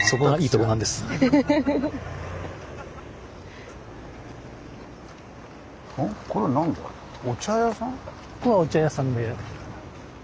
ここはお茶屋さんで。